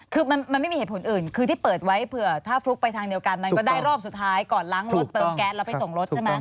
คือมันไม่มีเหตุผลอื่นคือที่เปิดไว้เผื่อถ้าฟลุกไปทางเดียวกันมันก็ได้รอบสุดท้ายก่อนล้างรถเติมแก๊สแล้วไปส่งรถใช่ไหม